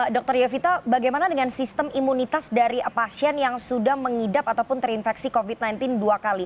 dokter yovita bagaimana dengan sistem imunitas dari pasien yang sudah mengidap ataupun terinfeksi covid sembilan belas dua kali